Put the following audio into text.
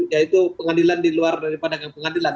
yaitu pengadilan di luar daripada pengadilan